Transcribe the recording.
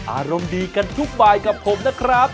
อารมณ์ดีกันทุกบายกับผมนะครับ